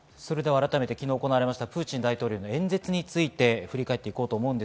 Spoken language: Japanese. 改めて昨日行われたプーチン大統領の演説について振り返ります。